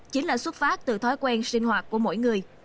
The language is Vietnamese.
chính là xuất phát từ thói quen sinh hoạt của mỗi người